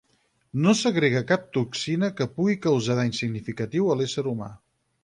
No segrega cap toxina que pugui causar dany significatiu a l'ésser humà.